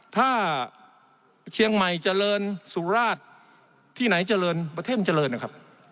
ถ้าเชียงใหม่เจริญสุราชที่ไหนเจริญประเทศมันเจริญนะครับ